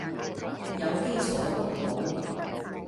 有基礎都好